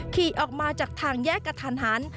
ขี่ออกมาจากทางแยกกระทันหัน